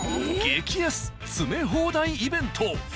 激安詰め放題イベント。